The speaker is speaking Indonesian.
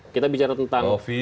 kita bicara tentang fear